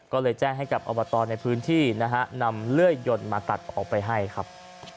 ก็เลยแจ้งให้กับอบตในพื้นที่นะฮะนำเลื่อยยนต์มาตัดออกไปให้ครับ